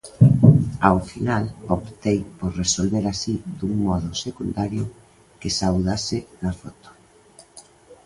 Ao final optei por resolver así dun modo secundario, que saudase na foto.